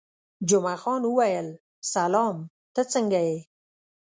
جمعه خان وویل: سلام، ته څنګه یې؟